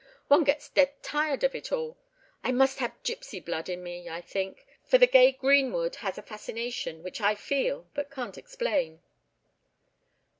One gets dead tired of it all. I must have gipsy blood in me, I think, for the gay greenwood has a fascination, which I feel, but can't explain."